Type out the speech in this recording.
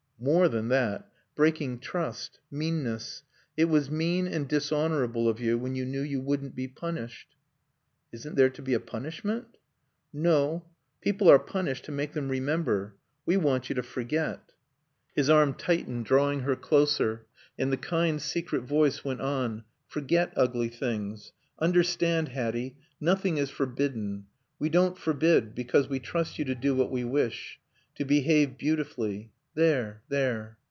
"More than that. Breaking trust. Meanness. It was mean and dishonorable of you when you knew you wouldn't be punished." "Isn't there to be a punishment?" "No. People are punished to make them remember. We want you to forget." His arm tightened, drawing her closer. And the kind, secret voice went on. "Forget ugly things. Understand, Hatty, nothing is forbidden. We don't forbid, because we trust you to do what we wish. To behave beautifully.... There, there."